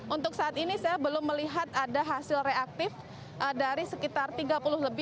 untuk saat ini saya belum melihat ada hasil reaktif dari sekitar tiga puluh lebih